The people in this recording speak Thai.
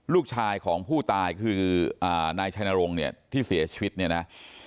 ลูกชายของผู้ตายคือนายชัยนรงค์เนี่ยที่เสียชีวิตเนี่ยนะ